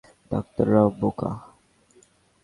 Doctor Rao বোকা!